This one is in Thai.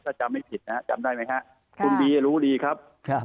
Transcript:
ถ้าจำไม่ผิดนะฮะจำได้ไหมฮะคุณบีรู้ดีครับ